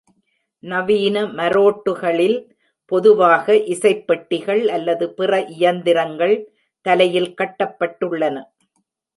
நவீன மரோட்டுகளில் பொதுவாக இசைப் பெட்டிகள் அல்லது பிற இயந்திரங்கள் தலையில் கட்டப்பட்டுள்ளன.